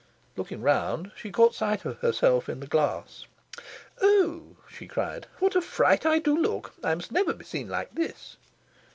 Looking round, she caught sight of herself in the glass. "Oh," she cried, "what a fright I do look! I must never be seen like this!"